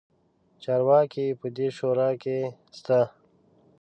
چارواکي په دې شورا کې شته.